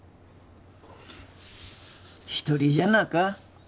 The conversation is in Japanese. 一人じゃなか。